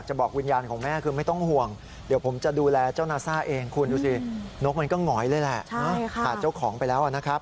บอกวิญญาณของแม่คือไม่ต้องห่วงเดี๋ยวผมจะดูแลเจ้านาซ่าเองคุณดูสินกมันก็หงอยเลยแหละขาดเจ้าของไปแล้วนะครับ